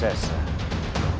tetap bisa berhubungan dengan saya